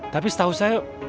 tapi setahu saya